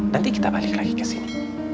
nanti kita balik lagi kesini